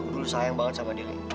aku dulu sayang banget sama dia